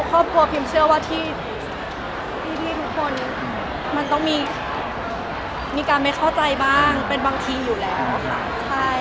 ครอบครัวพิมเชื่อว่าที่พี่ทุกคนมันต้องมีการไม่เข้าใจบ้างเป็นบางทีอยู่แล้วค่ะ